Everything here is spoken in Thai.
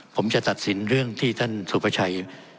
ผมจะตัดสินเรื่องที่ท่านสุภาชัย